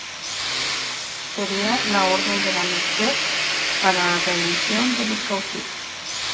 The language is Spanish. Sería la Orden de la Merced para la redención de los cautivos.